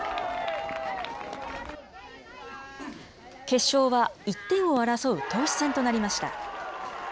決勝は、１点を争う投手戦となりました。